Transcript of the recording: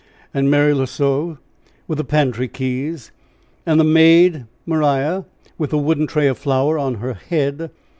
And Mary L'Osieau, with the pantry keys. And the maid, Maria, with the wooden tray of flour on her head.